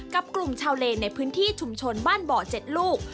กับกลุ่มชาวเลในพื้นที่ชุมชนบ้านบ่อ๗ลูก